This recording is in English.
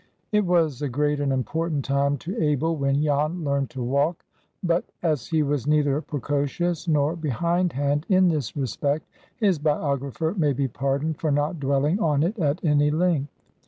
IT was a great and important time to Abel when Jan learned to walk; but, as he was neither precocious nor behindhand in this respect, his biographer may be pardoned for not dwelling on it at any length.